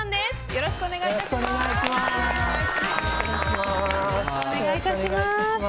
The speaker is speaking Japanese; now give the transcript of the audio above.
よろしくお願いします。